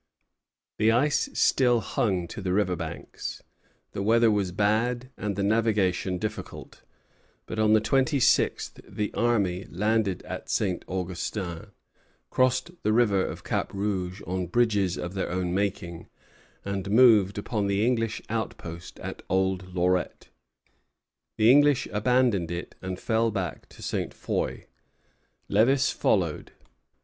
The ice still clung to the river banks, the weather was bad, and the navigation difficult; but on the twenty sixth the army landed at St. Augustin, crossed the river of Cap Rouge on bridges of their own making, and moved upon the English outpost at Old Lorette. The English abandoned it and fell back to Ste. Foy. Lévis followed.